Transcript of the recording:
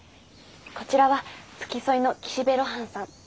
こちらは付きそいの岸辺露伴さん。